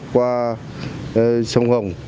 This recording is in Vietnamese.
qua sông hồng